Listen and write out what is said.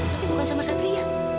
tapi bukan sama satria